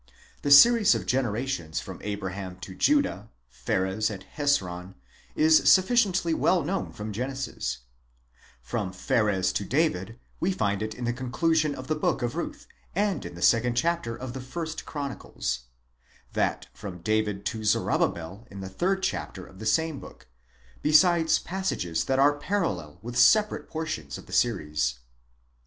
The series of generations from Abraham to Judah, Pharez, and Hezron, is sufficently well known from Genesis ; from Pharez to David we find it in the conclusion of the book of Ruth, and in the 2nd chapter of the 1st Chronicles ; that from David to Zerubbabel in the 3rd chapter of the same book ; besides passages that are parallel with separate portions of the series.